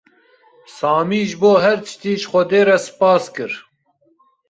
Samî ji bo her tiştî ji Xwedê re spas kir.